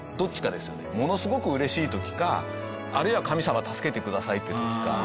ものすごく嬉しい時かあるいは「神様助けてください」って時か。